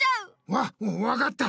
わわかった。